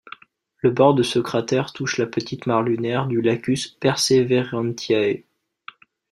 Le bord de ce cratère touche la petite mare lunaire du Lacus Perseverantiae.